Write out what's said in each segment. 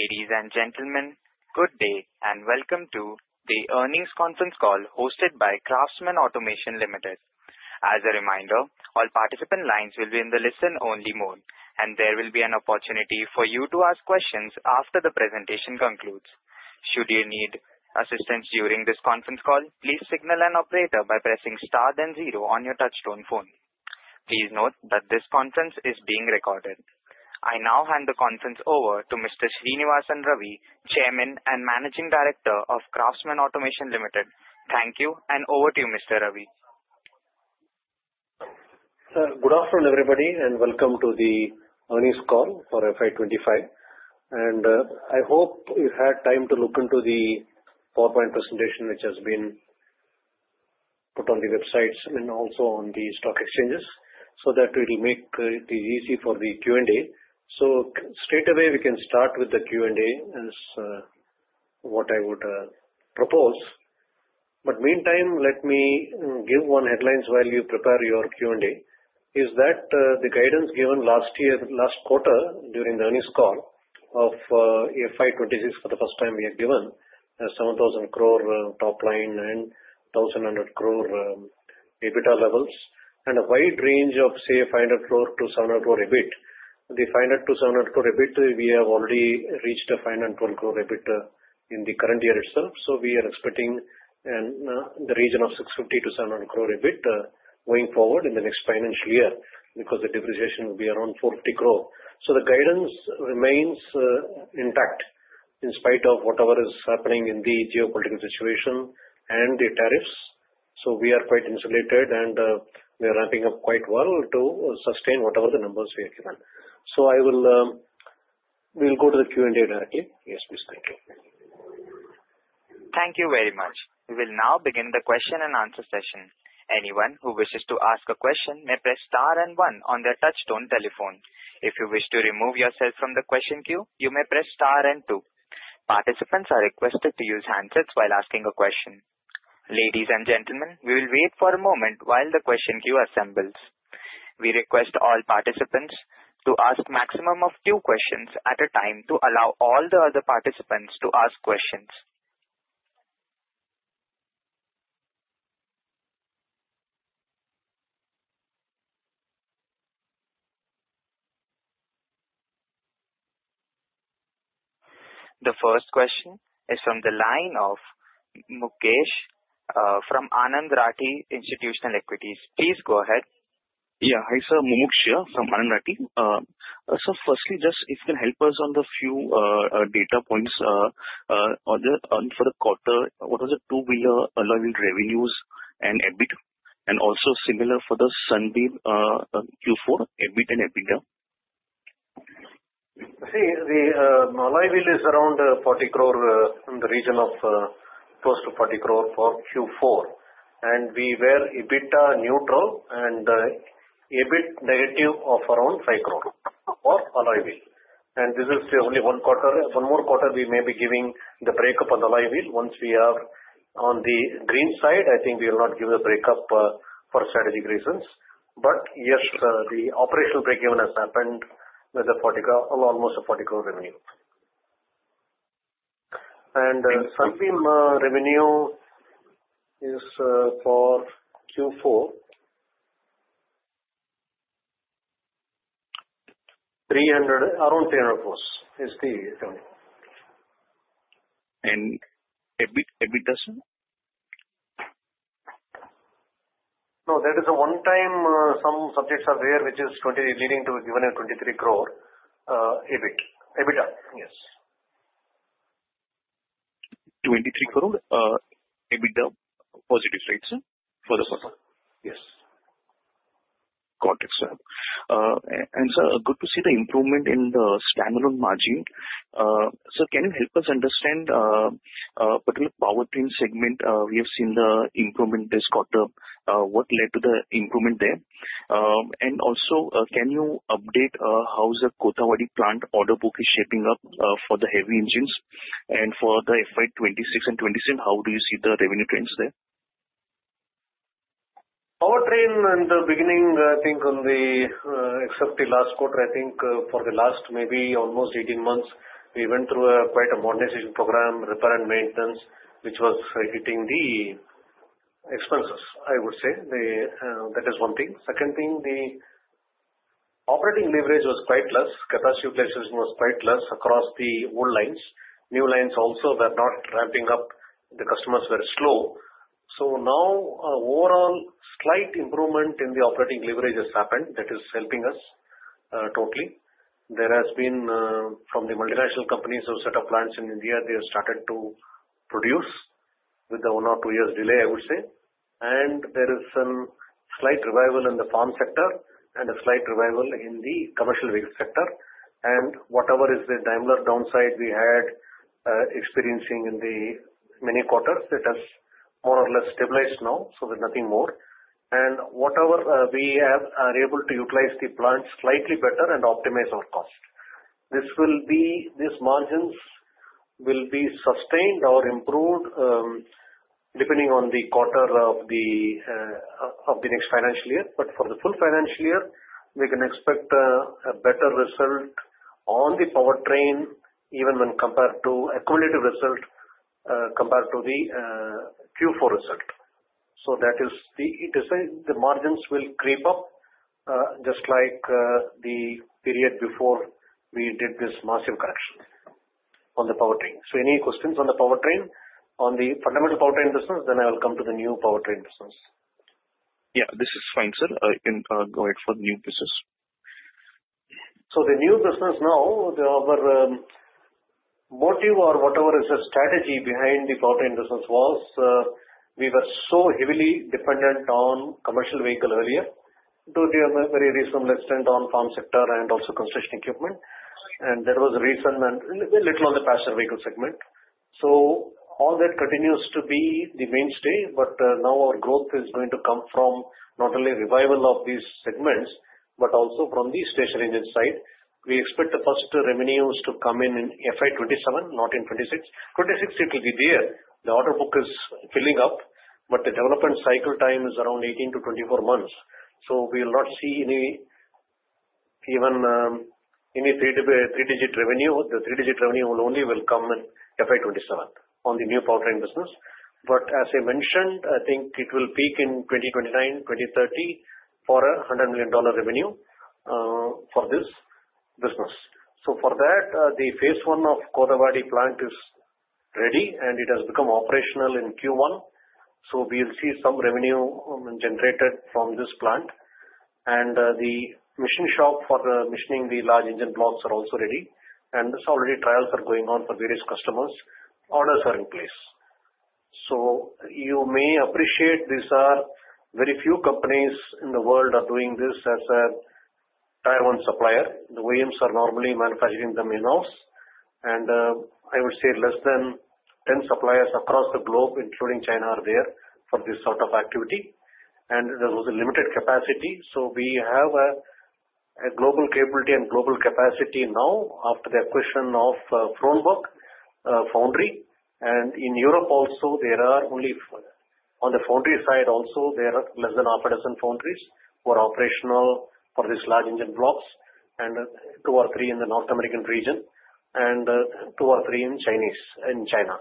Ladies and gentlemen, good day and welcome to the earnings conference call hosted by Craftsman Automation Limited. As a reminder, all participant lines will be in the listen-only mode, and there will be an opportunity for you to ask questions after the presentation concludes. Should you need assistance during this conference call, please signal an operator by pressing star then zero on your touchstone phone. Please note that this conference is being recorded. I now hand the conference over to Mr. Srinivasan Ravi, Chairman and Managing Director of Craftsman Automation Limited. Thank you, and over to you, Mr. Ravi. Good afternoon, everybody, and welcome to the earnings call for FY 2025. I hope you had time to look into the PowerPoint presentation, which has been put on the websites and also on the stock exchanges, so that it will make it easy for the Q&A. Straight away, we can start with the Q&A, as what I would propose. In the meantime, let me give one headline while you prepare your Q&A. The guidance given last year, last quarter, during the earnings call of FY 2024, for the first time we have given 7,000 crore top line and 1,100 crore EBITDA levels, and a wide range of, say, 500 crore-700 crore EBIT. The 500 crore-700 crore EBIT, we have already reached 512 crore EBIT in the current year itself. We are expecting the region of 650 crore-700 crore EBIT going forward in the next financial year because the depreciation will be around 450 crore. The guidance remains intact in spite of whatever is happening in the geopolitical situation and the tariffs. We are quite insulated, and we are ramping up quite well to sustain whatever the numbers we have given. We'll go to the Q&A directly. Yes, please. Thank you. Thank you very much. We will now begin the question and answer session. Anyone who wishes to ask a question may press star and one on their touchstone telephone. If you wish to remove yourself from the question queue, you may press star and two. Participants are requested to use handsets while asking a question. Ladies and gentlemen, we will wait for a moment while the question queue assembles. We request all participants to ask a maximum of two questions at a time to allow all the other participants to ask questions. The first question is from the line of Mumuksh Mandlesha from Anand Rathi Institutional Equities. Please go ahead. Yeah, hi sir, Mumuksh here from Anand Rathi. Firstly, just if you can help us on a few data points for the quarter, what was the two-year alloy wheel revenues and EBIT? Also, similar for the Sunbeam Q4 EBIT and EBITDA? See, the alloy wheel is around 40 crore in the region of close to 40 crore for Q4. We were EBITDA neutral and EBIT negative of around 5 crore for alloy wheel. This is only one quarter. One more quarter, we may be giving the breakup on the alloy wheel. Once we are on the green side, I think we will not give a breakup for strategic reasons. Yes, the operational break even has happened with almost 40 crore revenue. Sunbeam revenue is for Q4 around INR 300 crore. EBIT, EBIT doesn't? No, that is a one-time, some subjects are there, which is leading to giving a 23 crore EBIT, EBITDA, yes. 23 crore EBITDA positive rates for the quarter. Yes. Got it, sir. Sir, good to see the improvement in the standalone margin. Sir, can you help us understand particular powertrain segment, we have seen the improvement this quarter? What led to the improvement there? Also, can you update how the Kothavadi plant order book is shaping up for the heavy engines? For the FY 2026 and 2027, how do you see the revenue trends there? Powertrain in the beginning, I think except the last quarter, I think for the last maybe almost 18 months, we went through quite a modernization program, repair and maintenance, which was hitting the expenses, I would say. That is one thing. Second thing, the operating leverage was quite less. Capacity utilization was quite less across the old lines. New lines also were not ramping up. The customers were slow. Now, overall, slight improvement in the operating leverage has happened that is helping us totally. There has been from the multinational companies a set of plants in India, they have started to produce with a one or two years delay, I would say. There is some slight revival in the farm sector and a slight revival in the commercial vehicle sector. Whatever is the Daimler downside we had experienced in the many quarters, it has more or less stabilized now, so there is nothing more. Whatever we have, we are able to utilize the plants slightly better and optimize our cost. These margins will be sustained or improved depending on the quarter of the next financial year. For the full financial year, we can expect a better result on the powertrain even when compared to the cumulative result compared to the Q4 result. The margins will creep up just like the period before we did this massive correction on the powertrain. Any questions on the powertrain, on the fundamental powertrain business, then I will come to the new powertrain business. Yeah, this is fine, sir. I can go ahead for the new business. The new business now, our motive or whatever is the strategy behind the powertrain business was we were so heavily dependent on commercial vehicle earlier to the very recent extent on farm sector and also construction equipment. That was recent and a little on the passenger vehicle segment. All that continues to be the mainstay. Now our growth is going to come from not only revival of these segments, but also from the stationary inside. We expect the first revenues to come in financial year 2027, not in 2026. In 2026, it will be there. The order book is filling up, but the development cycle time is around 18-24 months. We will not see even any three-digit revenue. The three-digit revenue will only come in financial year 2027 on the new powertrain business. As I mentioned, I think it will peak in 2029, 2030 for a $100 million revenue for this business. For that, the phase one of Kothavadi plant is ready, and it has become operational in Q1. We will see some revenue generated from this plant. The machine shop for machining the large engine blocks is also ready, and there are already trials going on for various customers. Orders are in place. You may appreciate these are very few companies in the world doing this as a tier one supplier. The OEMs are normally manufacturing them in-house. I would say less than 10 suppliers across the globe, including China, are there for this sort of activity, and there is a limited capacity. We have a global capability and global capacity now after the acquisition of Fronberg foundry. In Europe also, on the foundry side, there are less than half a dozen foundries who are operational for these large engine blocks and two or three in the North American region and two or three in China.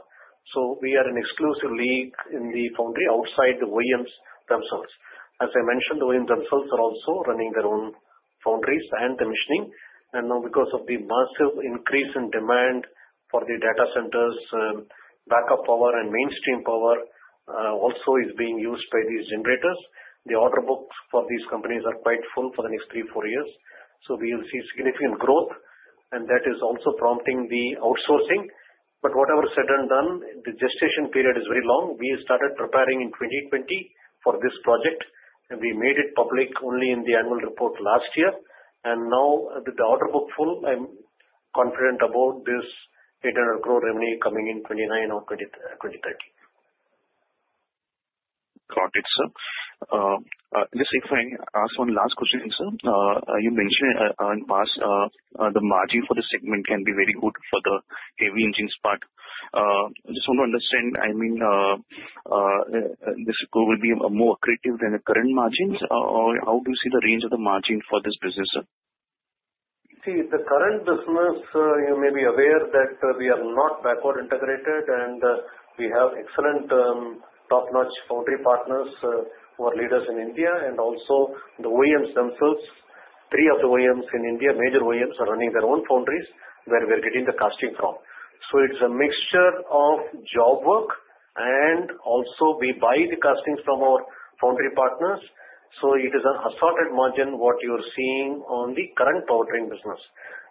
We are in an exclusive league in the foundry outside the OEMs themselves. As I mentioned, the OEMs themselves are also running their own foundries and the machining. Now, because of the massive increase in demand for the data centers, backup power and mainstream power also is being used by these generators, the order books for these companies are quite full for the next three to four years. We will see significant growth, and that is also prompting the outsourcing. Whatever said and done, the gestation period is very long. We started preparing in 2020 for this project, and we made it public only in the annual report last year. Now with the order book full, I'm confident about this 800 crore revenue coming in 2029 or 2030. Got it, sir. Just if I ask one last question, sir, you mentioned in the past the margin for the segment can be very good for the heavy engines part. Just want to understand, I mean, this will be more accretive than the current margins, or how do you see the range of the margin for this business? See, the current business, you may be aware that we are not backward integrated, and we have excellent top-notch foundry partners who are leaders in India. Also, the OEMs themselves, three of the OEMs in India, major OEMs, are running their own foundries where we are getting the casting from. It is a mixture of job work, and also we buy the castings from our foundry partners. It is an assorted margin what you are seeing on the current powertrain business.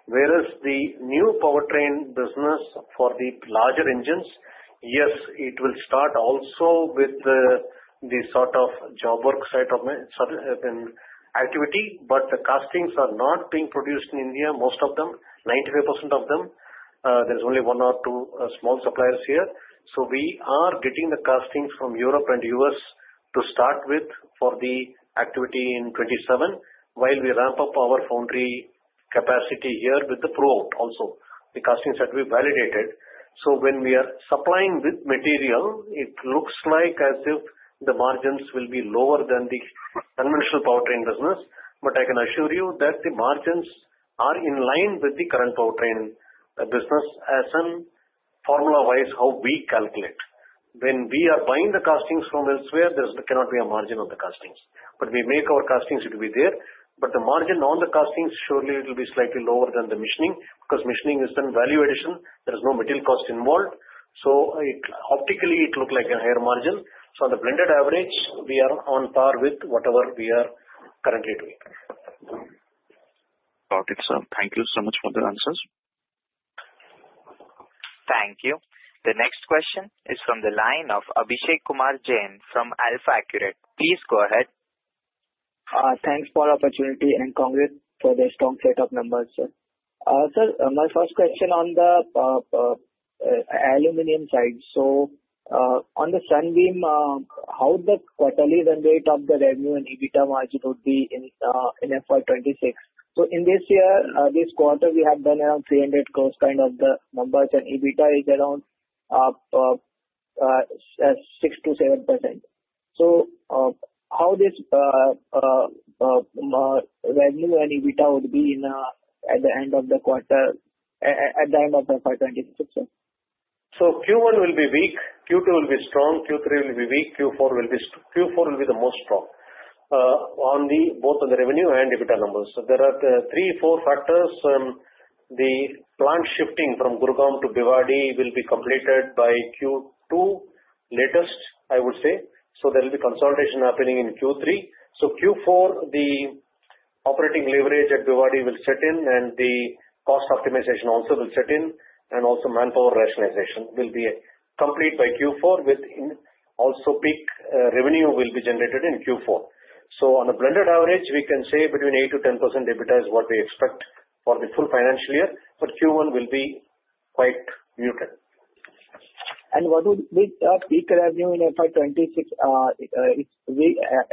Whereas the new powertrain business for the larger engines, yes, it will start also with the sort of job work side of activity, but the castings are not being produced in India, most of them, 95% of them. There are only one or two small suppliers here. We are getting the castings from Europe and the U.S. to start with for the activity in 2027, while we ramp up our foundry capacity here with the probe also. The castings have been validated. When we are supplying with material, it looks like as if the margins will be lower than the conventional powertrain business. I can assure you that the margins are in line with the current powertrain business as in formula-wise how we calculate. When we are buying the castings from elsewhere, there cannot be a margin on the castings. When we make our castings to be there, the margin on the castings surely will be slightly lower than the machining because machining is then value addition. There is no middle cost involved. Optically, it looks like a higher margin. On the blended average, we are on par with whatever we are currently doing. Got it, sir. Thank you so much for the answers. Thank you. The next question is from the line of Abhishek Kumar Jain from AlfAccurate. Please go ahead. Thanks for the opportunity and congrats for the strong set of numbers, sir. Sir, my first question on the aluminum side. On the Sunbeam, how the quarterly run rate of the revenue and EBITDA margin would be in FY 2026? In this year, this quarter, we have done around 300 crore kind of the numbers, and EBITDA is around 6%-7%. How this revenue and EBITDA would be at the end of the quarter, at the end of FY 2026, sir? Q1 will be weak, Q2 will be strong, Q3 will be weak, Q4 will be strong. Q4 will be the most strong on both the revenue and EBITDA numbers. There are three, four factors. The plant shifting from Gurugram to Bhiwadi will be completed by Q2 latest, I would say. There will be consolidation happening in Q3. Q4, the operating leverage at Bhiwadi will set in, and the cost optimization also will set in. Also, manpower rationalization will be complete by Q4, with also peak revenue will be generated in Q4. On the blended average, we can say between 8%-10% EBITDA is what we expect for the full financial year. Q1 will be quite muted. What would be the peak revenue in FY 2026? I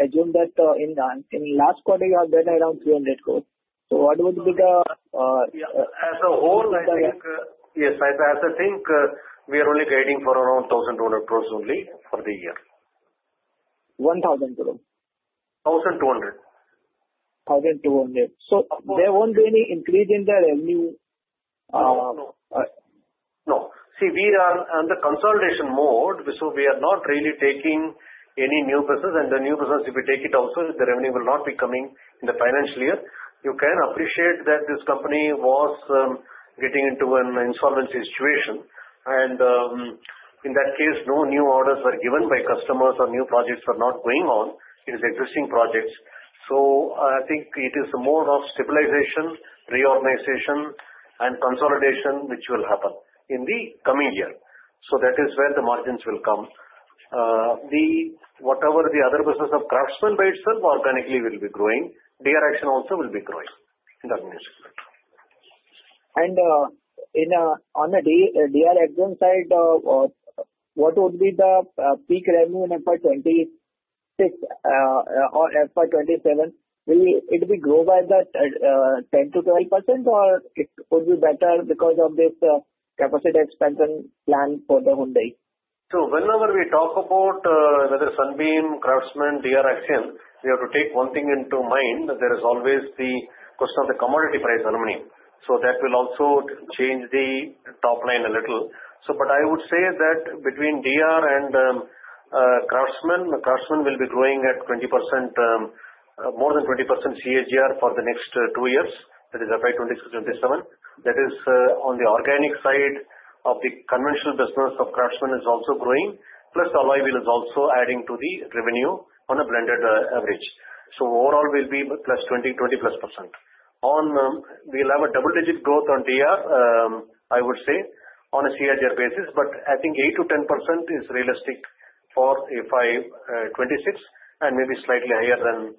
assume that in the last quarter, you have done around 300 crore. What would be the? As a whole, I think yes, as I think we are only grading for around 1,200 crore only for the year. 1,000 crore? 1,200 crore 1,200 crore. So there won't be any increase in the revenue? No. See, we are under consolidation mode, so we are not really taking any new business. The new business, if we take it also, the revenue will not be coming in the financial year. You can appreciate that this company was getting into an insolvency situation. In that case, no new orders were given by customers or new projects were not going on. It is existing projects. I think it is more of stabilization, reorganization, and consolidation, which will happen in the coming year. That is where the margins will come. Whatever the other business of Craftsman by itself organically will be growing, DR Axion also will be growing in that new segment. On the DR Axion side, what would be the peak revenue in FY 2026 or FY 2027? Will it grow by 10%-12%, or would it be better because of this capacity expansion plan for Hyundai? Whenever we talk about whether Sunbeam, Craftsman, DR Axion, we have to take one thing into mind that there is always the question of the commodity price aluminum. That will also change the top line a little. I would say that between DR and Craftsman, Craftsman will be growing at 20%, more than 20% CAGR for the next two years. That is FY 2026 to 2027. That is on the organic side of the conventional business of Craftsman is also growing, plus Alloy wheels is also adding to the revenue on a blended average. Overall, we will be plus 20, 20 plus percent. We will have a double-digit growth on DR, I would say, on a CAGR basis, but I think 8%-10% is realistic for FY 2026 and maybe slightly higher than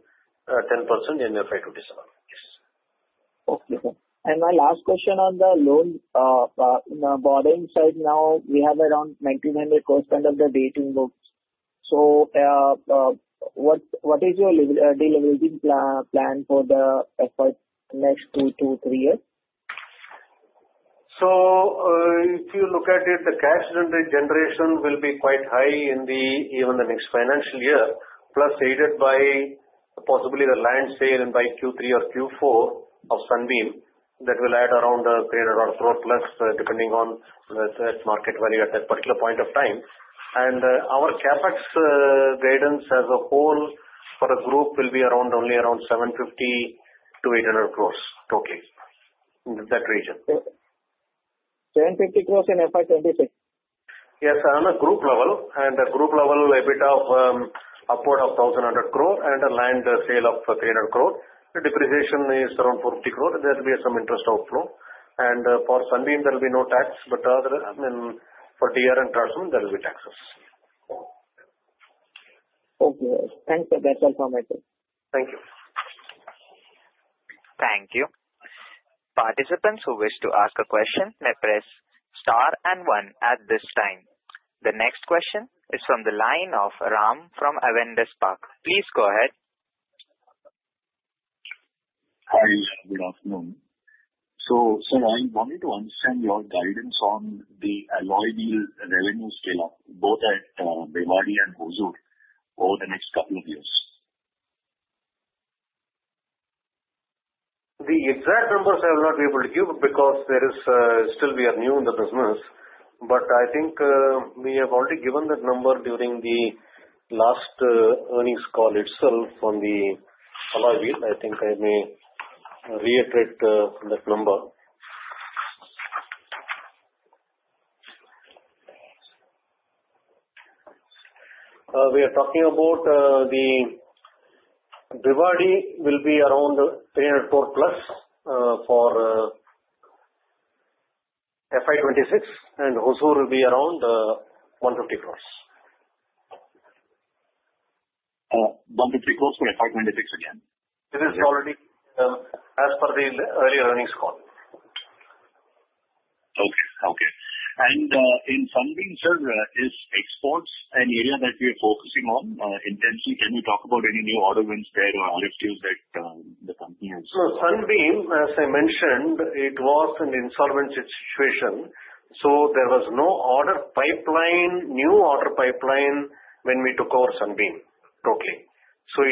10% in FY 2027. Okay. My last question on the loan borrowing side, now we have around 1,900 crore kind of the debt in books. What is your deleveraging plan for the next two, two, three years? If you look at it, the cash generation will be quite high in even the next financial year, plus aided by possibly the land sale in Q3 or Q4 of Sunbeam that will add around 1 crore or more depending on that market value at that particular point of time. Our CapEx guidance as a whole for the group will be only around 750 crore-800 crore totally in that region. 750 crore in FY 2026? Yes, on a group level, and the group level will be a bit of upward of 1,100 crore and a land sale of 300 crore. The depreciation is around 40 crore. There will be some interest outflow. For Sunbeam, there will be no tax, but for DR and Craftsman, there will be taxes. Thank you. Thanks for that, sir, for my time. Thank you. Thank you. Participants who wish to ask a question may press star and one at this time. The next question is from the line of Ram from Avendus Spark. Please go ahead. Hi, good afternoon. Sir, I wanted to understand your guidance on the alloy wheels revenue scale-up both at Bhiwadi and Hosur over the next couple of years. The exact numbers I will not be able to give because there is still we are new in the business. I think we have already given that number during the last earnings call itself on the Alloy wheels. I think I may reiterate that number. We are talking about the Bhiwadi will be around 300 crore plus for FY 2026, and Hosur will be around 150 crore. 150 crore for FY 2026 again? It is already as per the earlier earnings call. Okay. Okay. In Sunbeam, sir, is exports an area that we are focusing on intensely? Can we talk about any new order wins there or RFDs that the company has? Sunbeam, as I mentioned, it was an insolvency situation. There was no new order pipeline when we took over Sunbeam totally.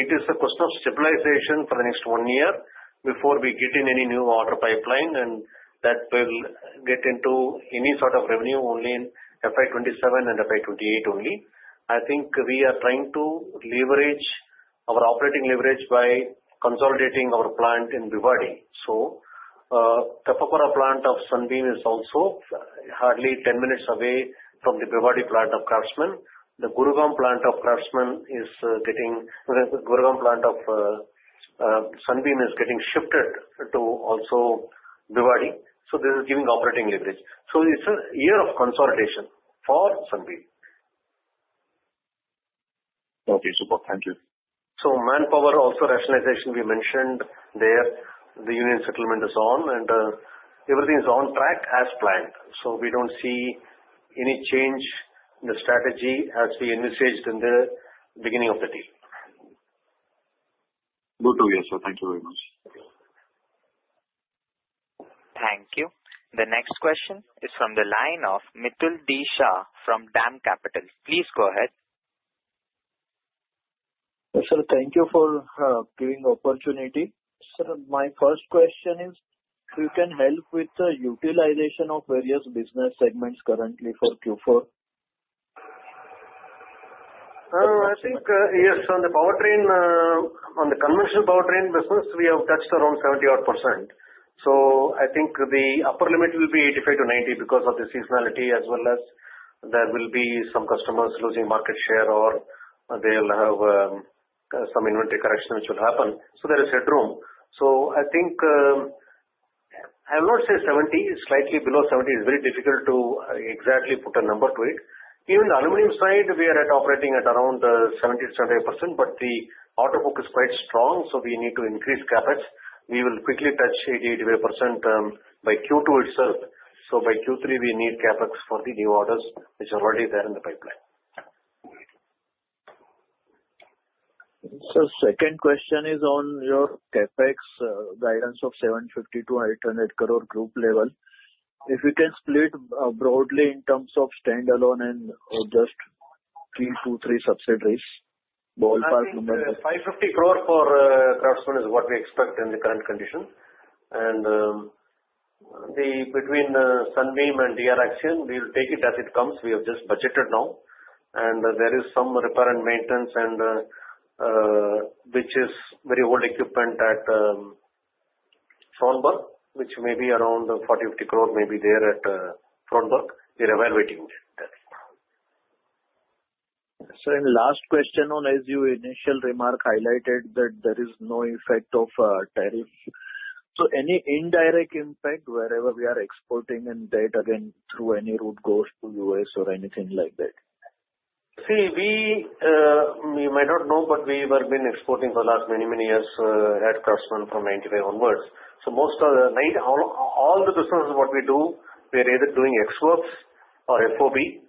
It is a question of stabilization for the next one year before we get in any new order pipeline, and that will get into any sort of revenue only in FY 2027 and FY 2028 only. I think we are trying to leverage our operating leverage by consolidating our plant in Bhiwadi. The Tapukara plant of Sunbeam is also hardly 10 minutes away from the Bhiwadi plant of Craftsman. The Gurugram plant of Sunbeam is getting shifted to also Bhiwadi. This is giving operating leverage. It's a year of consolidation for Sunbeam. Okay. Super. Thank you. Manpower also rationalization we mentioned there, the union settlement is on, and everything is on track as planned. We do not see any change in the strategy as we initiated in the beginning of the deal. Good to hear, sir. Thank you very much. Thank you. Thank you. The next question is from the line of Mitul D. Shah from DAM Capital. Please go ahead. Sir, thank you for giving the opportunity. Sir, my first question is, you can help with the utilization of various business segments currently for Q4? I think, yes. On the powertrain, on the conventional powertrain business, we have touched around 70-odd %. I think the upper limit will be 85%-90% because of the seasonality, as well as there will be some customers losing market share or they will have some inventory correction, which will happen. There is headroom. I think I will not say 70, slightly below 70 is very difficult to exactly put a number to it. Even the aluminum side, we are operating at around 70%-75%, but the order book is quite strong. We need to increase CapEx. We will quickly touch 80%-85% by Q2 itself. By Q3, we need CapEx for the new orders, which are already there in the pipeline. Sir, second question is on your CapEx guidance of 750-800 crore group level. If you can split broadly in terms of standalone and just three, two, three subsidiaries, ballpark number. 550 crore for Craftsman is what we expect in the current condition. Between Sunbeam and DR Axion, we will take it as it comes. We have just budgeted now. There is some repair and maintenance, which is very old equipment at Fronberg, which may be around 40 crore-50 crore at Fronberg. We are evaluating that. Sir, and last question on, as your initial remark highlighted, that there is no effect of tariff. Is there any indirect impact wherever we are exporting and that again through any route goes to U.S. or anything like that? See, we may not know, but we have been exporting for the last many, many years at Craftsman from 1995 onwards. Most of all the businesses what we do, we are either doing exports or FOB.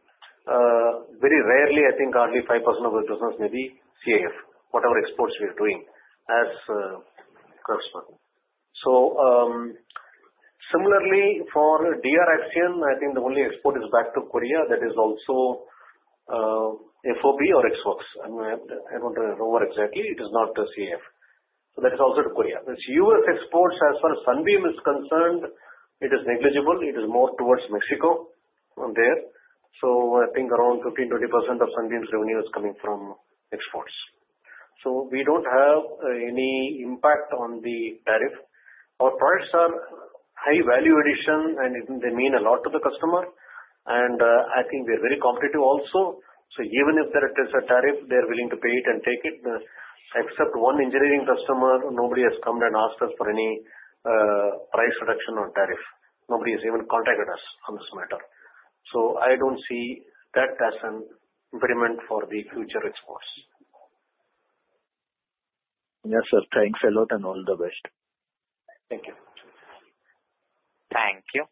Very rarely, I think hardly 5% of the business may be CIF, whatever exports we are doing as Craftsman. Similarly, for DR Axion, I think the only export is back to Korea. That is also FOB or exports. I do not remember exactly. It is not CIF. That is also to Korea. It is U.S. exports as far as Sunbeam is concerned. It is negligible. It is more towards Mexico there. I think around 15%-20% of Sunbeam's revenue is coming from exports. We do not have any impact on the tariff. Our products are high value addition, and they mean a lot to the customer. I think we are very competitive also. Even if there is a tariff, they are willing to pay it and take it. Except one engineering customer, nobody has come and asked us for any price reduction or tariff. Nobody has even contacted us on this matter. I do not see that as an impediment for the future exports. Yes, sir. Thanks a lot and all the best. Thank you. Thank you.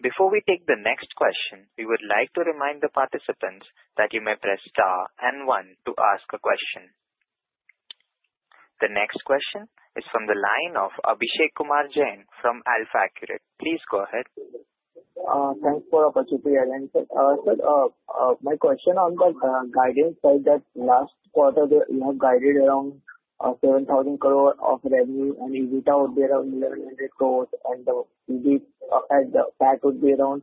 Before we take the next question, we would like to remind the participants that you may press star and one to ask a question. The next question is from the line of Abhishek Kumar Jain from AlfAccurate. Please go ahead. Thanks for the opportunity again, sir. Sir, my question on the guidance side that last quarter, you have guided around 7,000 crore of revenue, and EBITDA would be around 1,100 crore, and EBIT at the PAT would be around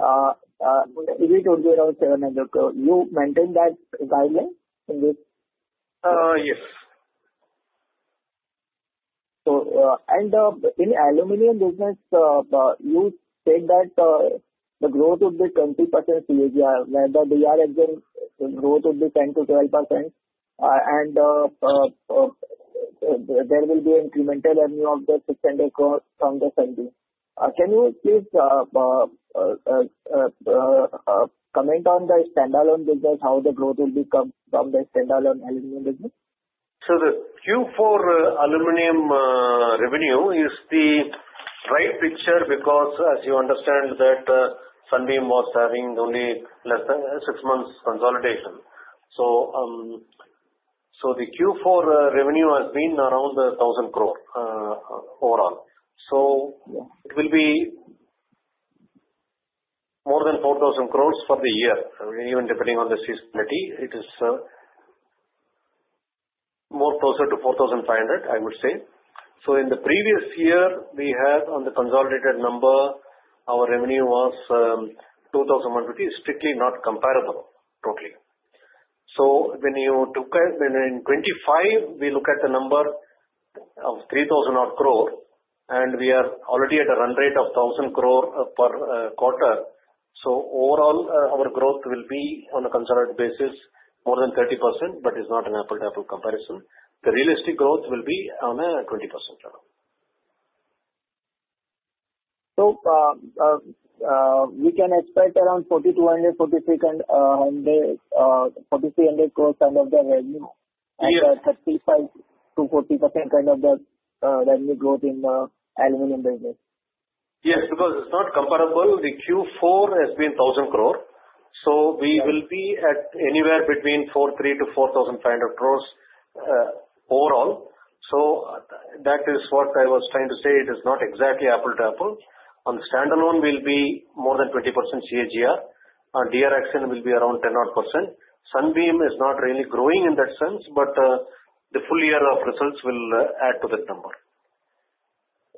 EBIT would be around 700 crore. You maintain that guideline in this? Yes. In the aluminum business, you said that the growth would be 20% CAGR, whether DR Axion growth would be 10%-12%, and there will be incremental revenue of 600 crore from Sunbeam. Can you please comment on the standalone business, how the growth will become from the standalone aluminum business? The Q4 aluminum revenue is the right picture because, as you understand, Sunbeam was having only less than six months consolidation. The Q4 revenue has been around 1,000 crore overall. It will be more than 4,000 crore for the year, even depending on the seasonality. It is more closer to 4,500 crore, I would say. In the previous year, we had on the consolidated number, our revenue was 2,150 crore rupees, strictly not comparable totally. When you look at in 2025, we look at the number of 3,000 odd crore, and we are already at a run rate of 1,000 crore per quarter. Overall, our growth will be on a consolidated basis, more than 30%, but it is not an apple-to-apple comparison. The realistic growth will be on a 20% level. We can expect around 4,240 crore kind of the revenue, and 35%-40% kind of the revenue growth in the aluminum business? Yes, because it's not comparable. The Q4 has been 1,000 crore. We will be anywhere between 4,300-4,500 crore overall. That is what I was trying to say. It is not exactly apple-to-apple. On standalone, we will be more than 20% CAGR. On DR Axion, we will be around 10% odd. Sunbeam is not really growing in that sense, but the full year of results will add to that number.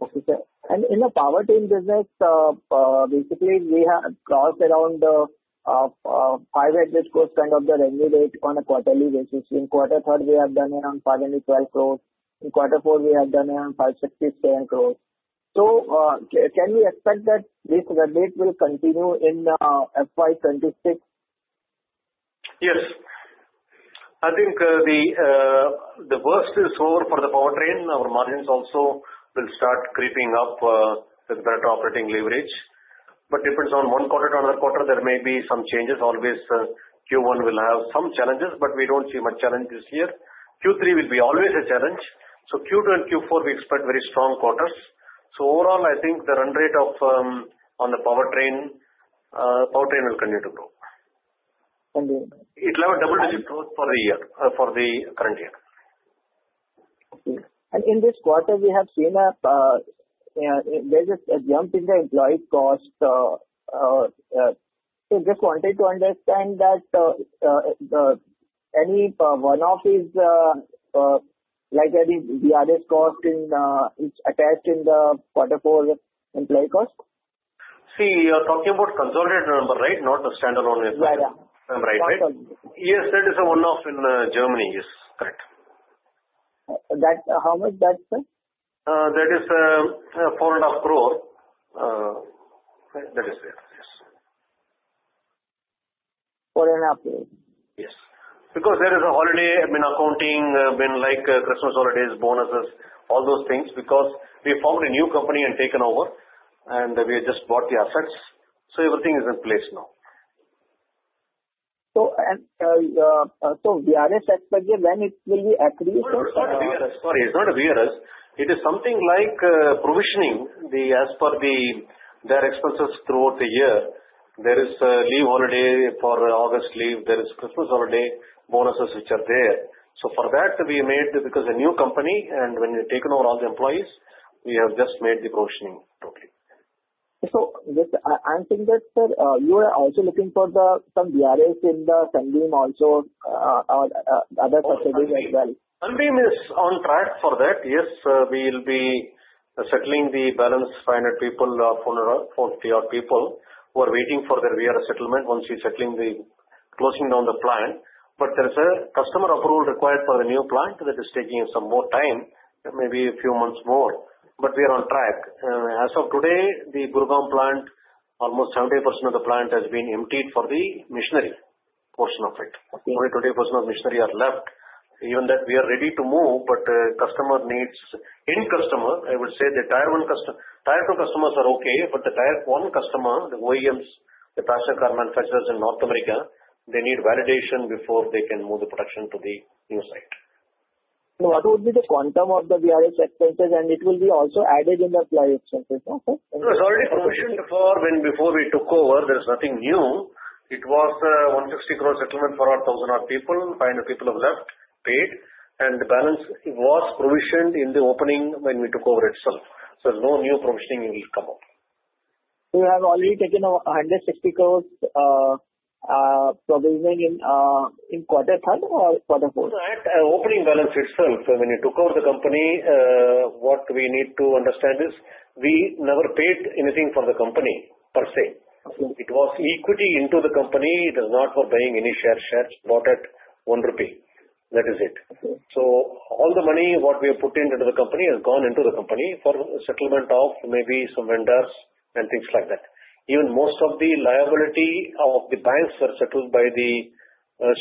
Okay, sir. In the powertrain business, basically, we have crossed around 500 crore kind of the revenue rate on a quarterly basis. In quarter three, we have done it on 512 crore. In quarter four, we have done it on 567 crore. Can we expect that this rate will continue in FY 2026? Yes. I think the worst is over for the powertrain. Our margins also will start creeping up with better operating leverage. It depends on one quarter to another quarter, there may be some changes. Always, Q1 will have some challenges, but we do not see much challenges here. Q3 will be always a challenge. Q2 and Q4, we expect very strong quarters. Overall, I think the run rate on the powertrain will continue to grow. Thank you. It will have a double-digit growth for the current year. Okay. In this quarter, we have seen there's a jump in the employee cost. Just wanted to understand, is there any one-off, like a VRS cost attached in the quarter four employee cost? See, you're talking about consolidated number, right? Not the standalone employee cost. Yeah, yeah. I'm right, right? Yes, that is a one-off in Germany. Yes, correct. How much that, sir? That is 400 crore. That is it, yes. 400 crore. Yes. Because there is a holiday, I mean, accounting, I mean, like Christmas holidays, bonuses, all those things because we formed a new company and taken over, and we just bought the assets. So everything is in place now. DRS expected when it will be accrued? No, it's not a VRS. Sorry, it's not a VRS. It is something like provisioning as per their expenses throughout the year. There is leave holiday for August leave. There is Christmas holiday bonuses which are there. For that, we made because a new company, and when we've taken over all the employees, we have just made the provisioning totally. I'm seeing that, sir, you are also looking for some DRS in the Sunbeam also, other subsidiaries as well. Sunbeam is on track for that. Yes, we will be settling the balance, 500 people, 400 odd people. We are waiting for the VRS settlement once we settle the closing down the plant. There is a customer approval required for the new plant that is taking some more time, maybe a few months more. We are on track. As of today, the Gurugram plant, almost 70% of the plant has been emptied for the machinery portion of it. Only 20% of machinery are left. Even that we are ready to move, but customer needs, end customer, I would say the tier one customer, tier two customers are okay, but the tier one customer, the OEMs, the passenger car manufacturers in North America, they need validation before they can move the production to the new site. What would be the quantum of the VRS expenses, and it will be also added in the employee expenses. Okay. It was already provisioned before when before we took over. There is nothing new. It was 160 crore settlement for our 1,000 odd people, 500 people have left, paid. And the balance was provisioned in the opening when we took over itself. No new provisioning will come up. You have already taken 160 crore provisioning in quarter three or quarter four? At opening balance itself, when you took over the company, what we need to understand is we never paid anything for the company per se. It was equity into the company. It is not for buying any shares. Shares bought at 1 rupee. That is it. So all the money what we have put into the company has gone into the company for settlement of maybe some vendors and things like that. Even most of the liability of the banks were settled by the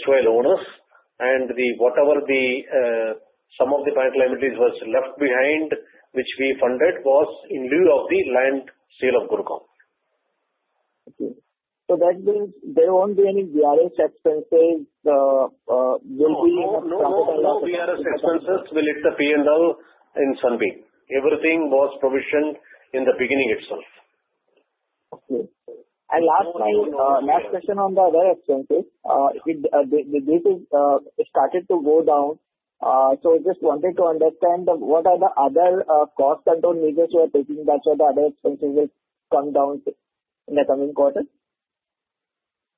stale owners. Whatever the some of the bank liabilities were left behind, which we funded, was in lieu of the land sale of Gurugram. Okay. So that means there won't be any VRS expenses will be counted as. All the DRS expenses will hit the P&L in Sunbeam. Everything was provisioned in the beginning itself. Okay. Last question on the other expenses. This has started to go down. I just wanted to understand what are the other costs that do not need to be taken, that the other expenses will come down in the coming quarter?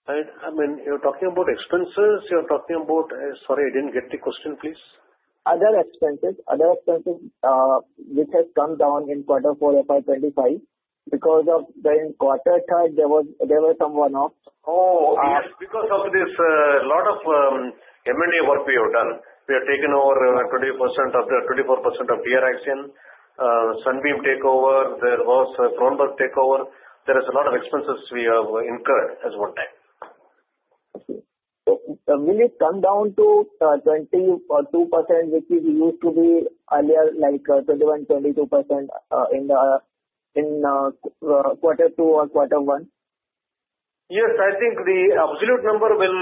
I mean, you're talking about expenses. You're talking about, sorry, I didn't get the question, please. Other expenses, other expenses which have come down in quarter four FY 2025 because in the quarter three, there was some one-off. Oh, because of this lot of M&A work we have done. We have taken over 20% of the 24% of DR Axion, Sunbeam takeover. There was Fronberg takeover. There is a lot of expenses we have incurred at one time. Okay. So will it come down to 22%, which used to be earlier like 21%-22% in quarter two or quarter one? Yes, I think the absolute number will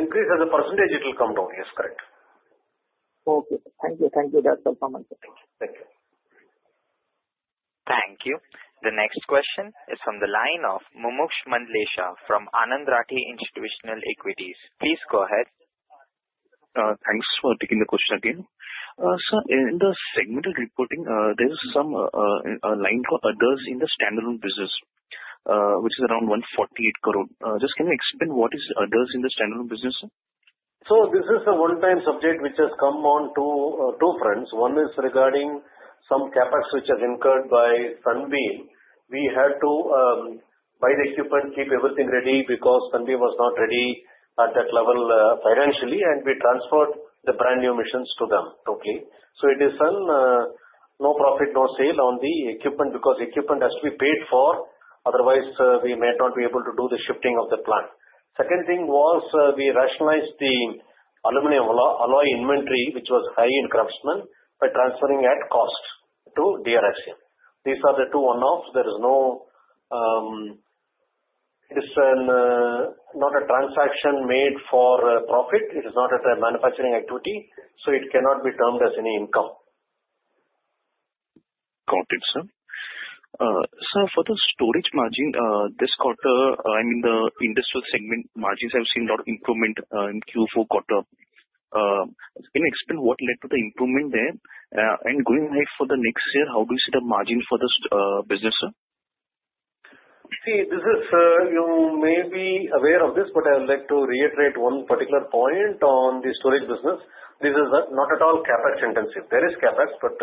increase. As a percentage, it will come down. Yes, correct. Okay. Thank you. Thank you. That's all from my side. Thank you. Thank you. The next question is from the line of Mumuksh Mandlesha from Anand Rathi Institutional Equities. Please go ahead. Thanks for taking the question again. Sir, in the segmented reporting, there is some line called others in the standalone business, which is around 148 crore. Just can you explain what is others in the standalone business? This is a one-time subject which has come on two fronts. One is regarding some CapEx which has incurred by Sunbeam. We had to buy the equipment, keep everything ready because Sunbeam was not ready at that level financially, and we transferred the brand new machines to them totally. It is a no profit, no sale on the equipment because equipment has to be paid for. Otherwise, we might not be able to do the shifting of the plant. Second thing was we rationalized the aluminum alloy inventory, which was high in Craftsman, by transferring at cost to DR Axion. These are the two one-offs. It is not a transaction made for profit. It is not a manufacturing activity. It cannot be termed as any income. Got it, sir. Sir, for the storage margin, this quarter, I mean, the industrial segment margins have seen a lot of improvement in Q4. Can you explain what led to the improvement there? Going ahead for the next year, how do you see the margin for this business, sir? See, you may be aware of this, but I would like to reiterate one particular point on the storage business. This is not at all CapEx intensive. There is CapEx, but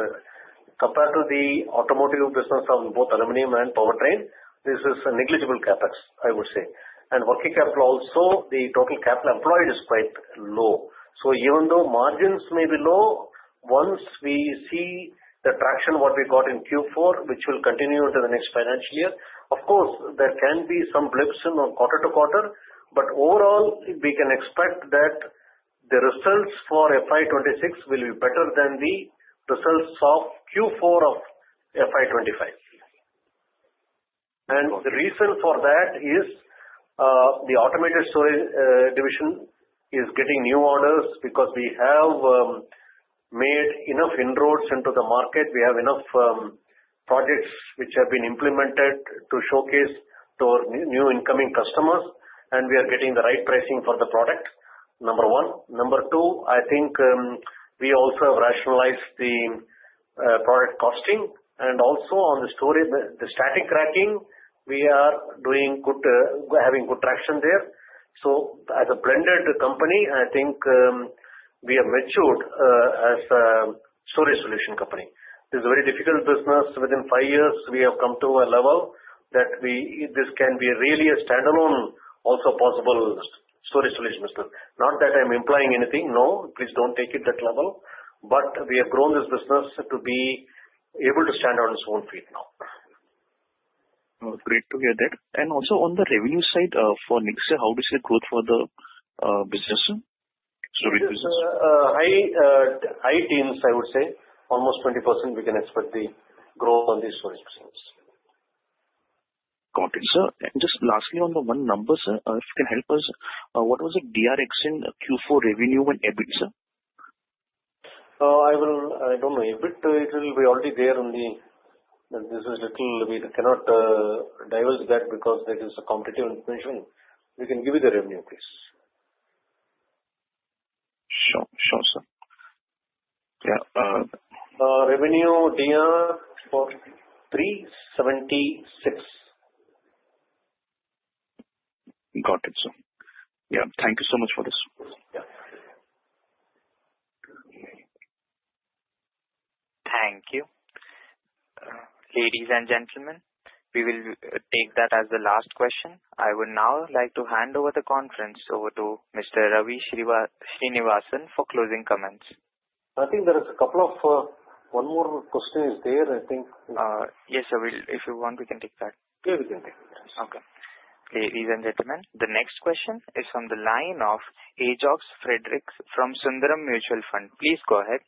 compared to the automotive business of both aluminum and powertrain, this is negligible CapEx, I would say. Working capital also, the total capital employed is quite low. Even though margins may be low, once we see the traction we got in Q4, which will continue into the next financial year, of course, there can be some blips quarter to quarter. Overall, we can expect that the results for FY 2026 will be better than the results of Q4 of FY 2025. The reason for that is the automated storage division is getting new orders because we have made enough inroads into the market. We have enough projects which have been implemented to showcase to our new incoming customers, and we are getting the right pricing for the product, number one. Number two, I think we also have rationalized the product costing. Also, on the storage, the static racking, we are doing good, having good traction there. As a blended company, I think we have matured as a storage solution company. This is a very difficult business. Within five years, we have come to a level that this can be really a standalone also possible storage solution business. Not that I'm implying anything. No, please do not take it that level. We have grown this business to be able to stand on its own feet now. Great to hear that. Also on the revenue side for next year, how do you see the growth for the business, storage business? High teens, I would say. Almost 20% we can expect the growth on the storage business. Got it, sir. And just lastly, on the one number, sir, if you can help us, what was the DR Axion Q4 revenue and EBIT, sir? I don't know. EBIT, it will be already there on the this is a little we cannot divulge that because that is a quantitative information. We can give you the revenue, please. Sure, sure, sir. Yeah. Revenue DR for 376. Got it, sir. Yeah. Thank you so much for this. Yeah. Thank you. Ladies and gentlemen, we will take that as the last question. I would now like to hand over the conference over to Mr. Srinivasan Ravi for closing comments. I think there is a couple of one more question is there, I think. Yes, sir. If you want, we can take that. Yeah, we can take that. Okay. Ladies and gentlemen, the next question is from the line of Ajox Frederick from Sundaram Mutual Fund. Please go ahead.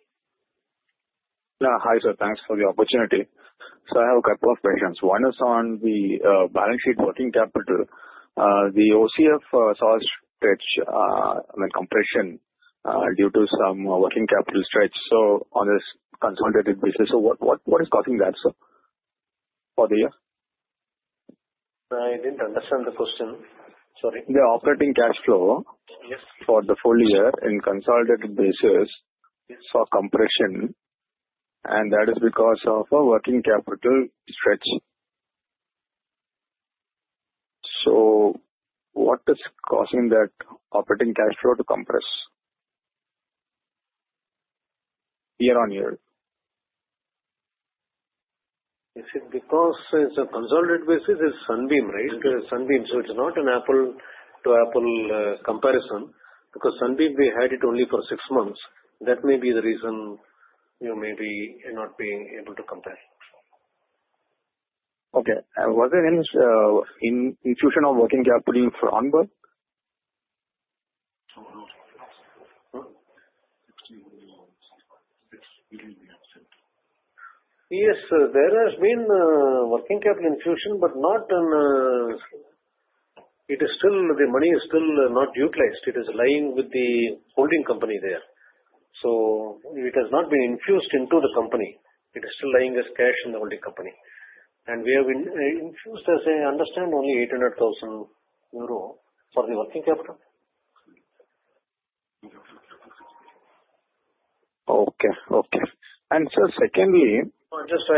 Hi, sir. Thanks for the opportunity. I have a couple of questions. One is on the balance sheet working capital. The OCF saw a stretch, I mean, compression due to some working capital stretch. On this consolidated basis, what is causing that, sir, for the year? I didn't understand the question. Sorry. The operating cash flow for the full year in consolidated basis saw compression, and that is because of a working capital stretch. What is causing that operating cash flow to compress year on year? If it because it's a consolidated basis, it's Sunbeam, right? Sunbeam. It's not an apple-to-apple comparison because Sunbeam, we had it only for six months. That may be the reason you may be not being able to compare. Okay. Was there any infusion of working capital in Fronberg? Yes, there has been working capital infusion, but not in it is still the money is still not utilized. It is lying with the holding company there. It has not been infused into the company. It is still lying as cash in the holding company. We have infused, as I understand, only 800,000 euro for the working capital. Okay, okay. Sir, secondly. I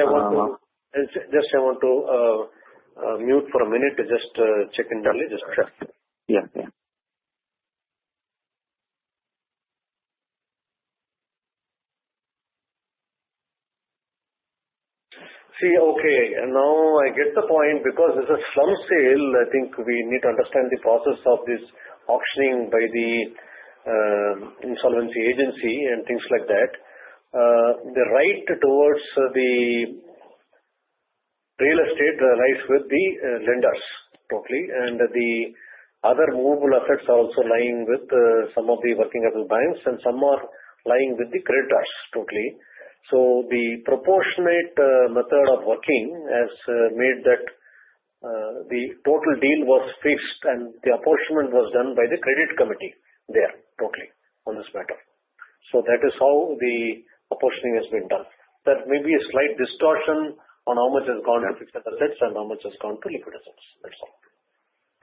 want to mute for a minute to just check. Yeah, yeah. See, okay. Now I get the point because this is a slum sale. I think we need to understand the process of this auctioning by the insolvency agency and things like that. The right towards the real estate lies with the lenders totally. The other movable assets are also lying with some of the working capital banks, and some are lying with the creditors totally. The proportionate method of working has made that the total deal was fixed, and the apportionment was done by the credit committee there totally on this matter. That is how the apportioning has been done. There may be a slight distortion on how much has gone to fixed assets and how much has gone to liquid assets. That is all.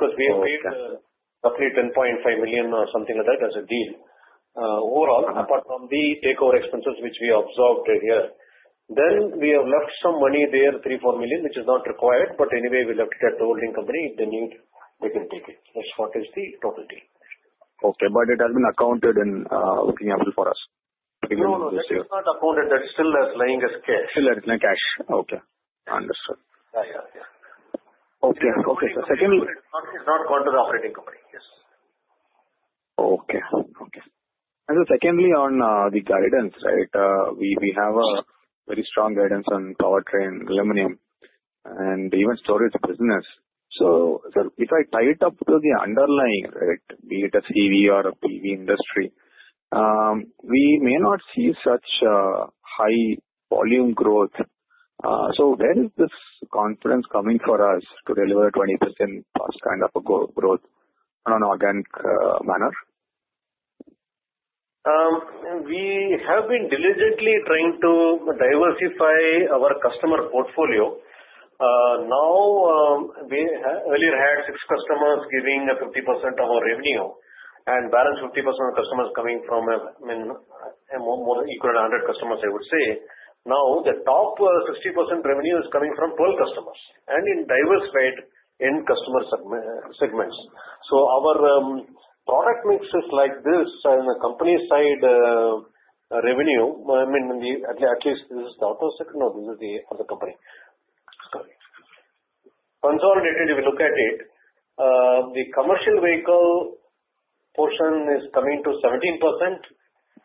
Because we have paid roughly 10.5 million or something like that as a deal. Overall, apart from the takeover expenses, which we observed here, then we have left some money there, 3 million-4 million, which is not required, but anyway, we left it at the holding company. If they need, they can take it. That is what is the total deal. Okay. Has it been accounted in working capital for us? No, no, this is not accounted. That still is lying as cash. Still lying as cash. Okay. Understood. Yeah, yeah. Okay, okay. So secondly. It's not gone to the operating company. Yes. Okay, okay. Then secondly on the guidance, right? We have a very strong guidance on powertrain, aluminum, and even storage business. If I tie it up to the underlying, right, be it a CV or a PV industry, we may not see such high volume growth. Where is this confidence coming for us to deliver 20% plus kind of a growth on an organic manner? We have been diligently trying to diversify our customer portfolio. Now, we earlier had six customers giving 50% of our revenue and balance 50% of customers coming from, I mean, more than equal to 100 customers, I would say. Now, the top 60% revenue is coming from 12 customers and in diversified end customer segments. So our product mix is like this on the company side revenue. I mean, at least this is the auto segment. No, this is the other company. Consolidated, if you look at it, the commercial vehicle portion is coming to 17%.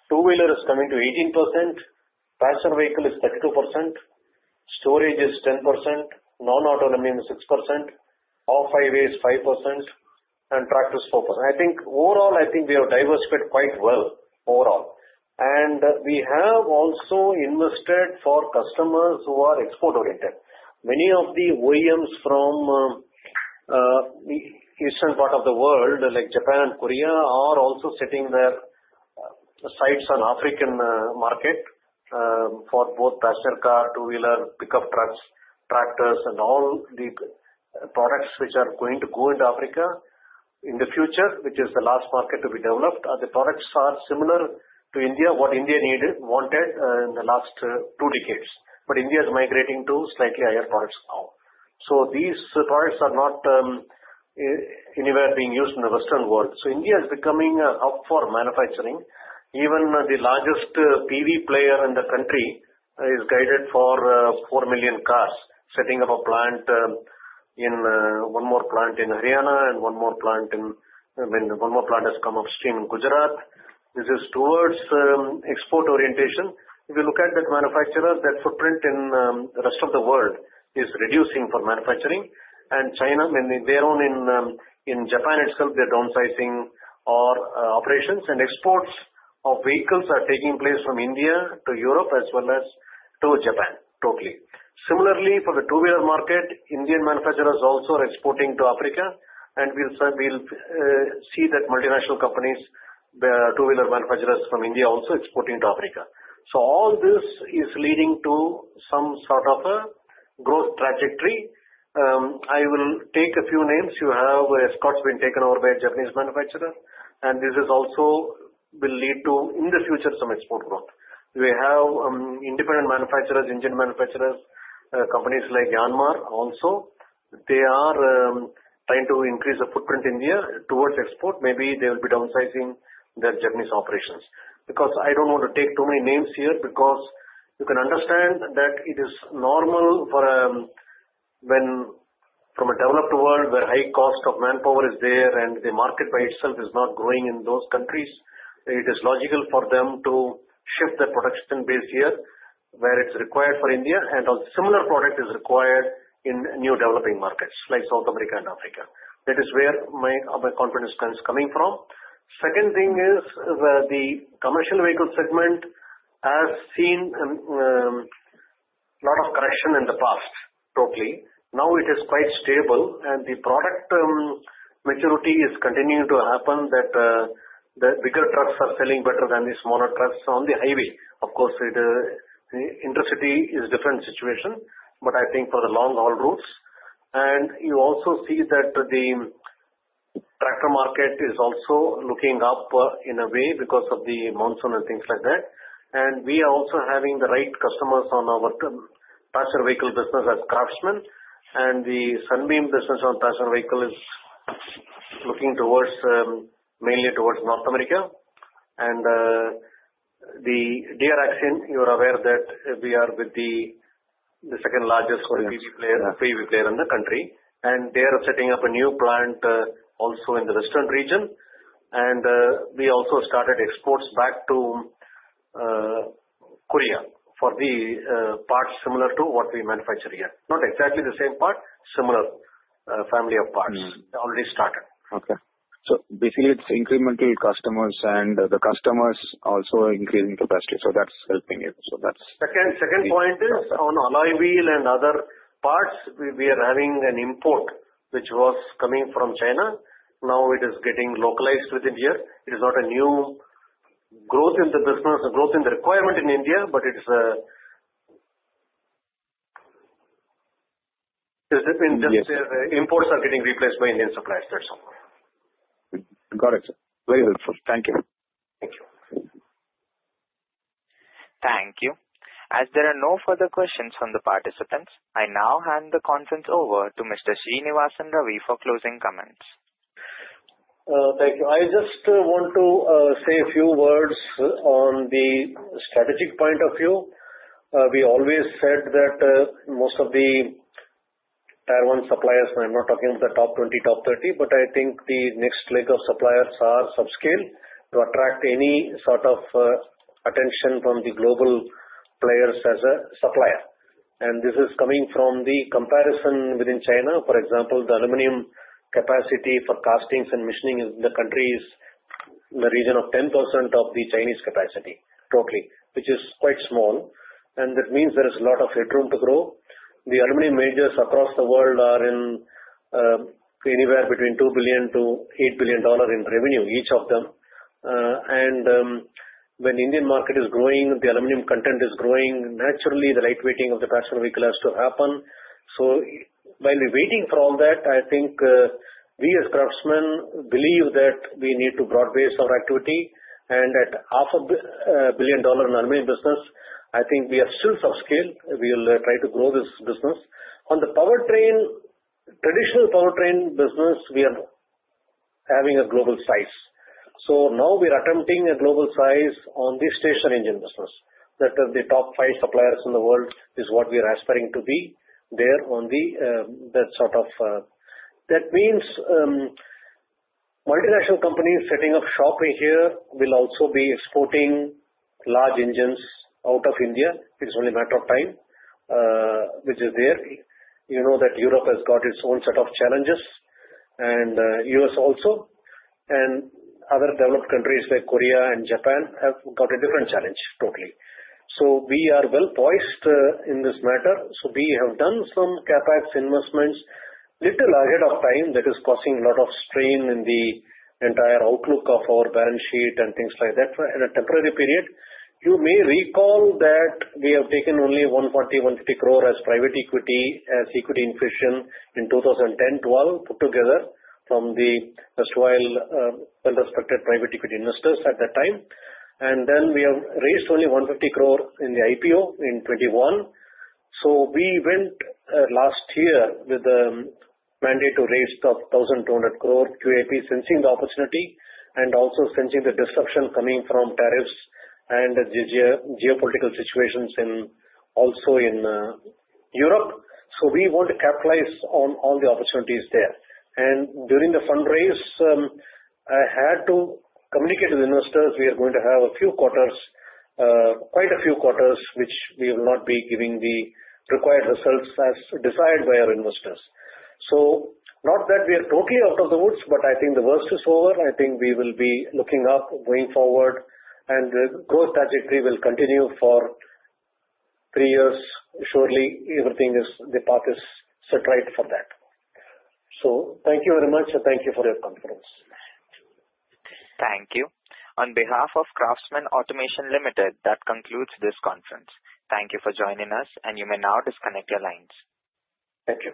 Two-wheeler is coming to 18%. Passenger vehicle is 32%. Storage is 10%. Non-autonomy is 6%. Off-highway is 5%. And tractor is 4%. I think overall, I think we have diversified quite well overall. And we have also invested for customers who are export-oriented. Many of the OEMs from the eastern part of the world, like Japan and Korea, are also setting their sights on the African market for both passenger car, two-wheeler, pickup trucks, tractors, and all the products which are going to go into Africa in the future, which is the last market to be developed. The products are similar to India, what India wanted in the last two decades. India is migrating to slightly higher products now. These products are not anywhere being used in the Western world. India is becoming a hub for manufacturing. Even the largest PV player in the country is guided for 4 million cars, setting up a plant in one more plant in Haryana and one more plant in, I mean, one more plant has come upstream in Gujarat. This is towards export orientation. If you look at that manufacturer, that footprint in the rest of the world is reducing for manufacturing. In China, I mean, their own in Japan itself, they are downsizing our operations. Exports of vehicles are taking place from India to Europe as well as to Japan totally. Similarly, for the two-wheeler market, Indian manufacturers also are exporting to Africa. We will see that multinational companies, two-wheeler manufacturers from India also exporting to Africa. All this is leading to some sort of a growth trajectory. I will take a few names. You have Scott's been taken over by a Japanese manufacturer. This also will lead to, in the future, some export growth. We have independent manufacturers, engine manufacturers, companies like Yanmar also. They are trying to increase the footprint in India towards export. Maybe they will be downsizing their Japanese operations. Because I do not want to take too many names here because you can understand that it is normal for when from a developed world where high cost of manpower is there and the market by itself is not growing in those countries, it is logical for them to shift their production base here where it is required for India and a similar product is required in new developing markets like South America and Africa. That is where my confidence comes coming from. The second thing is the commercial vehicle segment has seen a lot of correction in the past totally. Now it is quite stable. The product maturity is continuing to happen that the bigger trucks are selling better than the smaller trucks on the highway. Of course, intercity is a different situation, but I think for the long-haul routes. You also see that the tractor market is also looking up in a way because of the monsoon and things like that. We are also having the right customers on our passenger vehicle business as Craftsman. The Sunbeam business on passenger vehicle is looking mainly towards North America. The DR Axion, you are aware that we are with the second largest PV player in the country. They are setting up a new plant also in the Western region. We also started exports back to Korea for the parts similar to what we manufacture here. Not exactly the same part, similar family of parts already started. Okay. So basically, it's incremental customers and the customers also increasing capacity. So that's helping it. So that's. Second point is on alloy wheel and other parts, we are having an import which was coming from China. Now it is getting localized within here. It is not a new growth in the business, growth in the requirement in India, but its imports are getting replaced by Indian suppliers. That's all. Got it. Very helpful. Thank you. Thank you. Thank you. As there are no further questions from the participants, I now hand the conference over to Mr. Srinivasan Ravi for closing comments. Thank you. I just want to say a few words on the strategic point of view. We always said that most of the Taiwan suppliers, I'm not talking about the top 20, top 30, but I think the next leg of suppliers are subscale to attract any sort of attention from the global players as a supplier. This is coming from the comparison within China. For example, the aluminum capacity for castings and machining in the country is in the region of 10% of the Chinese capacity totally, which is quite small. That means there is a lot of headroom to grow. The aluminum majors across the world are in anywhere between $2 billion-$8 billion in revenue, each of them. When the Indian market is growing, the aluminum content is growing. Naturally, the lightweighting of the passenger vehicle has to happen. While we're waiting for all that, I think we as craftsmen believe that we need to broadcast our activity. At $500,000,000 in aluminum business, I think we are still subscale. We will try to grow this business. On the powertrain, traditional powertrain business, we are having a global size. Now we are attempting a global size on the station engine business. That is, the top five suppliers in the world is what we are aspiring to be there. That sort of means multinational companies setting up shop here will also be exporting large engines out of India. It's only a matter of time, which is there. You know that Europe has got its own set of challenges and the U.S. also. Other developed countries like Korea and Japan have got a different challenge totally. We are well poised in this matter. We have done some CapEx investments a little ahead of time that is causing a lot of strain in the entire outlook of our balance sheet and things like that in a temporary period. You may recall that we have taken only 140 crore, 150 crore as private equity as equity infusion in 2010, 2012 put together from the well-respected private equity investors at that time. Then we have raised only 150 crore in the IPO in 2021. We went last year with the mandate to raise the 1,200 crore QAP sensing the opportunity and also sensing the disruption coming from tariffs and the geopolitical situations also in Europe. We want to capitalize on all the opportunities there. During the fundraise, I had to communicate with investors. We are going to have a few quarters, quite a few quarters, which we will not be giving the required results as desired by our investors. Not that we are totally out of the woods, but I think the worst is over. I think we will be looking up going forward and the growth trajectory will continue for three years surely. Everything is, the path is set right for that. Thank you very much and thank you for your confidence. Thank you. On behalf of Craftsman Automation Limited, that concludes this conference. Thank you for joining us and you may now disconnect your lines. Thank you.